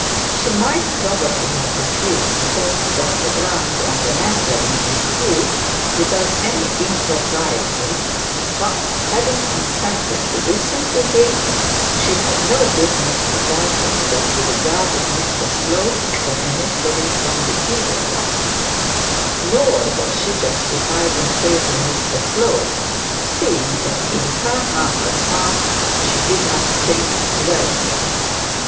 She might probably have refused to talk to Dr Grantly on the matter in dispute without any impropriety; but having consented to listen to him, she had no business to tell him that regarded Mr Slope as an emissary from the evil one; nor was she justified in praising Mr Slope, seeing that in her heart of hearts she did not think well of him.